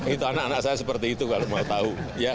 itu anak anak saya seperti itu kalau mau tahu